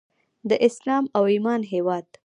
د اسلام او ایمان هیواد.